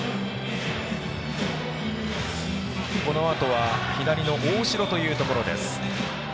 このあとは左の大城というところ。